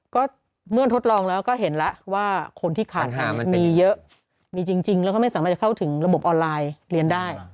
ก็เมื่อทดลองแล้วก็เห็นแล้วว่าคนที่ขาดมีเยอะมีจริงแล้วก็ไม่สามารถจะเข้าถึงระบบออนไลน์เรียนได้